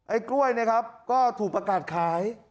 ไอ้กล้วยเนี่ยครับก็ถูกประกาศขาย